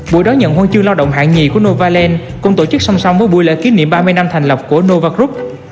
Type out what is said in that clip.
buổi đó nhận huân chương lao động hạng nhì của novaland cùng tổ chức song song với buổi lễ kỷ niệm ba mươi năm thành lập của novagroup